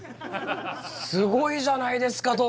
すごいじゃないですか！